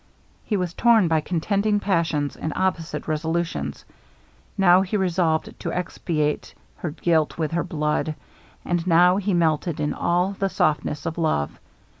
He was torn by contending passions, and opposite resolutions: now he resolved to expiate her guilt with her blood and now he melted in all the softness of love.